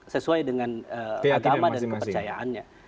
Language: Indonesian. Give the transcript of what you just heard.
sesuai dengan agama dan kepercayaannya